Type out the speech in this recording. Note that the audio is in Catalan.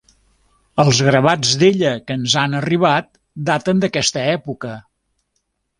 Els gravats d'ella que ens han arribat daten d'aquesta època.